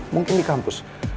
mungkin di kampus